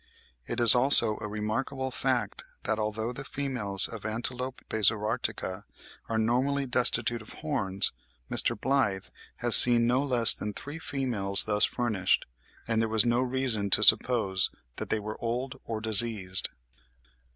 It is also a remarkable fact that, although the females of Antilope bezoartica are normally destitute of horns, Mr. Blyth has seen no less than three females thus furnished; and there was no reason to suppose that they were old or diseased.